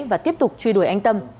và tiếp tục truy đuổi anh tâm